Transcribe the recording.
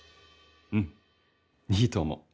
うんいいと思う。